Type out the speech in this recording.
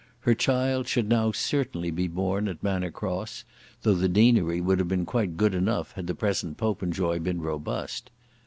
Her child should now certainly be born at Manor Cross, though the deanery would have been quite good enough had the present Popenjoy been robust.